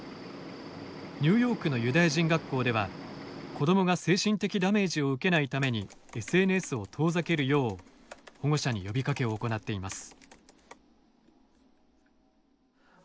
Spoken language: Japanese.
ニューヨークのユダヤ人学校では子どもが精神的ダメージを受けないためにＳＮＳを遠ざけるよう保護者に呼びかけを行っています。